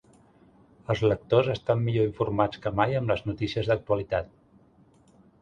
Els lectors estan millor informats que mai amb les notícies d’actualitat.